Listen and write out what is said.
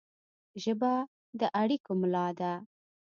ژبه د اړیکو ملا ده